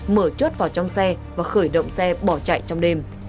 mở chốt vào trong xe và khởi động xe bỏ chạy trong đêm